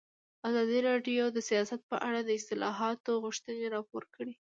ازادي راډیو د سیاست په اړه د اصلاحاتو غوښتنې راپور کړې.